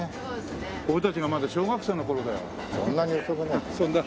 俺たちがまだ小学生の頃だよ。